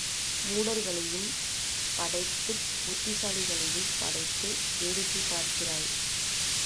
மூடர்களையும் படைத்துப் புத்திசாலிகளையும் படைத்து வேடிக்கை பார்க்கிறாய்!